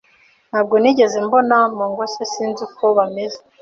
Ntabwo nigeze mbona mongoose, sinzi uko bameze.